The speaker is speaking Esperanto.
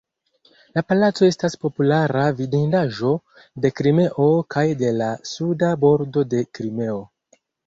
La palaco estas populara vidindaĵo de Krimeo kaj de la Suda Bordo de Krimeo.